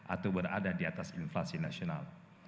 atau berada di atas inflasi nasional